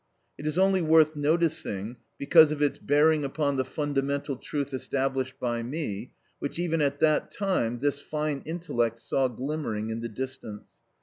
It is only worth noticing because of its bearing upon the fundamental truth established by me, which even at that time this fine intellect saw glimmering in the distance.